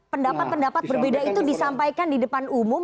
pendapat pendapat berbeda itu disampaikan di depan umum